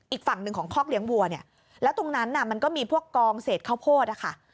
อีกฝั่งหนึ่งของคอกเลี้ยงวัวเนี่ยแล้วตรงนั้นน่ะมันก็มีพวกกองเศษข้าวโพดอะค่ะ